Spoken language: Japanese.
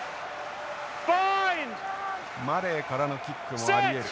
マレーからのキックもありえる。